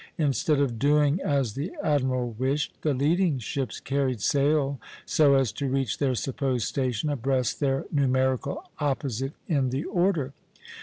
Instead of doing as the admiral wished, the leading ships (a) carried sail so as to reach their supposed station abreast their numerical opposite in the order.